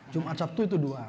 jumat sabtu itu dua